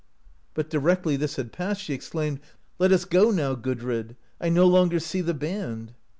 But directly this had passed she exclaimed, "Let us go now, Gudrid; I no longer see the band!"